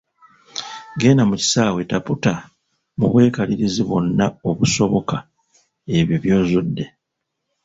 Genda mu kisaawe taputa mu bwekalirizi bwonna obusoboka ebyo by’ozudde